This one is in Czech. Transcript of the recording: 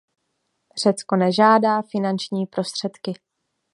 Řecko nežádá finanční prostředky.